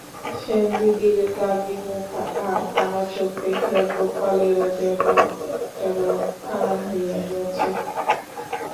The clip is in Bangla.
সেনদিদির দাগী মুখ আর কানা চোখ দেখিয়া গোপালেরও যেন একটা রোগ আরাম হইয়া গিয়াছে।